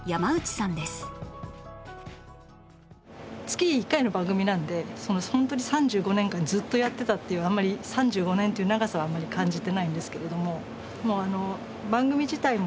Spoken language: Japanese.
月１回の番組なので本当に３５年間ずっとやってたっていう３５年という長さはあんまり感じてないんですけれども。